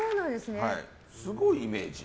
すごいイメージ。